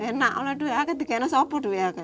enak oleh dua ibu tiga ibu apa